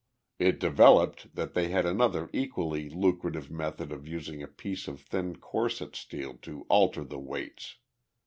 (It developed that they had another equally lucrative method of using a piece of thin corset steel to alter the weights.)